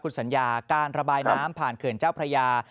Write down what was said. คุณสัญญาการระบายน้ำผ่านเขื่อนเจ้าพระยา